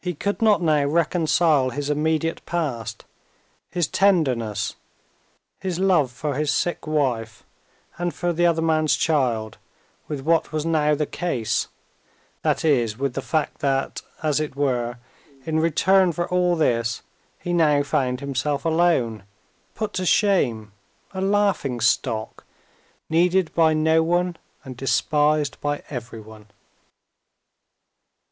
He could not now reconcile his immediate past, his tenderness, his love for his sick wife, and for the other man's child with what was now the case, that is with the fact that, as it were, in return for all this he now found himself alone, put to shame, a laughing stock, needed by no one, and despised by everyone.